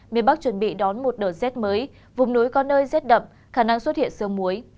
miền bắc chuẩn bị đón một đợt rét mới vùng núi có nơi rét đậm khả năng xuất hiện sương muối